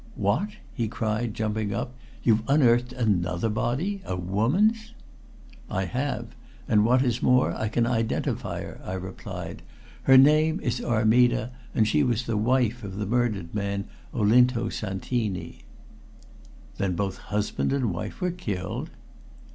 "What?" he cried, jumping up. "You've unearthed another body a woman's?" "I have. And what is more, I can identify her," I replied. "Her name is Armida, and she was wife of the murdered man Olinto Santini." "Then both husband and wife were killed?"